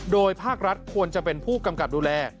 โดยภาครัฐควรจะเป็นผู้กำกับดูแล